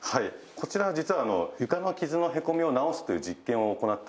こちらは実は床の傷のへこみを直すという実験を行っております。